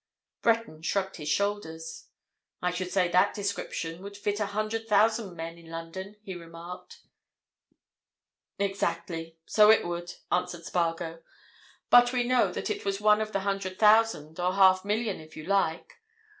Breton shrugged his shoulders. "I should say that description would fit a hundred thousand men in London," he remarked. "Exactly—so it would," answered Spargo. "But we know that it was one of the hundred thousand, or half million, if you like.